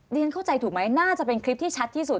ฉันเข้าใจถูกไหมน่าจะเป็นคลิปที่ชัดที่สุด